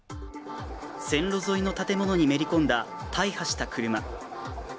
線路沿いの建物にめり込んだ大破した車